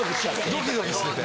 ドキドキしてて。